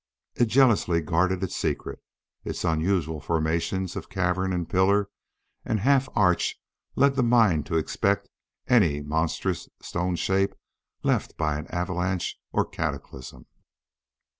It jealously guarded its secret. Its unusual formations of cavern and pillar and half arch led the mind to expect any monstrous stone shape left by an avalanche or cataclysm.